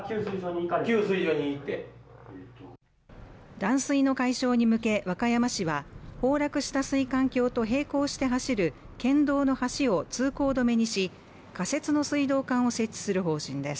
断水の解消に向け和歌山市は崩落した水管橋と並行して走る県道の橋を通行止めにし仮設の水道管を設置する方針です